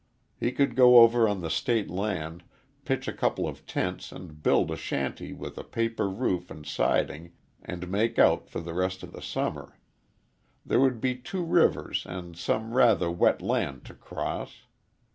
He could go over on the State land, pitch a couple of tents and build a shanty with a paper roof and siding, and make out for the rest of the summer. There would be two rivers and some rather wet land to cross.